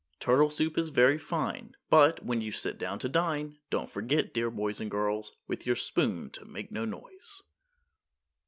Turtle soup is very fine, But, when you sit down to dine, Don't forget, dear girls and boys, With your spoon to make no noise.